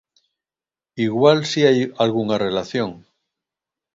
Igual si hai algunha relación.